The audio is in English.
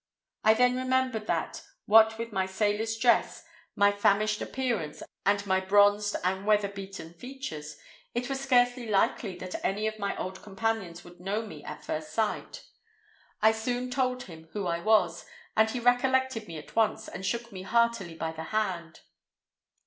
I then remembered that, what with my sailor's dress, my famished appearance, and my bronzed and weather beaten features, it was scarcely likely that any of my old companions would know me at first sight. I soon told him who I was, and he recollected me at once and shook me heartily by the hand.